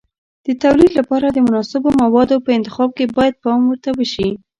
د تولید لپاره د مناسبو موادو په انتخاب کې باید پام ورته وشي.